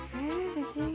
不思議？